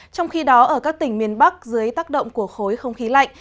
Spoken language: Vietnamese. trong khi đó ở các tỉnh miền bắc dưới tác động của khối không khí lạnh